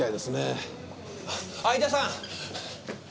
会田さん！